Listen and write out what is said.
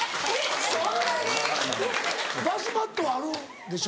そんなに⁉バスマットはあるんでしょ？